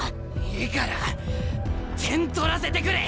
いいから点取らせてくれ。